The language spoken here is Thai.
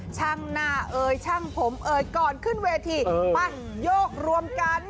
ช่างหน้าเอ่ยช่างผมเอ่ยก่อนขึ้นเวทีปั้นโยกรวมกัน